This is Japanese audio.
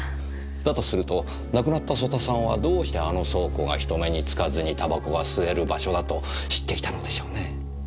だとすると亡くなった曽田さんはどうしてあの倉庫が人目につかずに煙草が吸える場所だと知っていたのでしょうねぇ？